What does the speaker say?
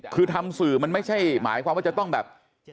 คือทำสื่อมันไม่ใช่หมายความว่าจะต้องแบบ